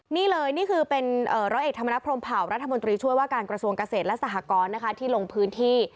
นี่เลยนี่คือเป็นร้อยเอกธรรมนัพรมเผารัฐมนตรีช่วยว่าการกระทรวงเกษตรและสหกรณ์นะคะที่ลงพื้นที่